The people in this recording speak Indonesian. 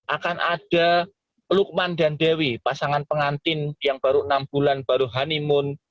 akan ada lukman dan dewi pasangan pengantin yang baru enam bulan baru honeymoon